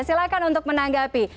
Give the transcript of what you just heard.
silakan untuk menanggapi